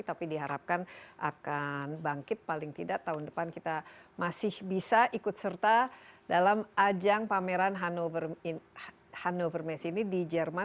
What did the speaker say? tapi diharapkan akan bangkit paling tidak tahun depan kita masih bisa ikut serta dalam ajang pameran hannover messe ini di jerman